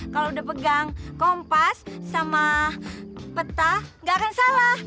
kalau udah pegang kompas sama peta nggak akan salah